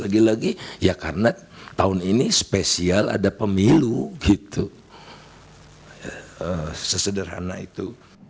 lagi lagi ya karena tahun ini spesial ada pemilu gitu sesederhana itu